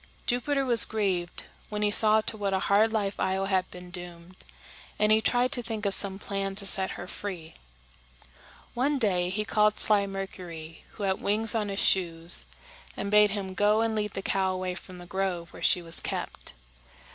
Jupiter was grieved when he saw to what a hard life Io had been doomed, and he tried to think of some plan to set her free. One day he called sly Mercury, who had wings on his shoes, and bade him go and lead the cow away from the grove where she was kept.